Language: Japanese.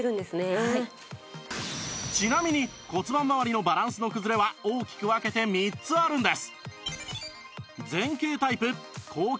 ちなみに骨盤まわりのバランスの崩れは大きく分けて３つあるんです